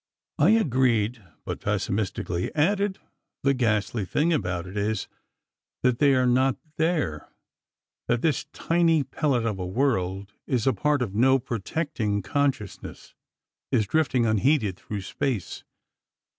I agreed, but pessimistically added: "The ghastly thing about it is, that they're not there—that this tiny pellet of a world is a part of no protecting consciousness—is drifting unheeded through space."